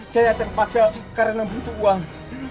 saya terpaksa karena butuh uang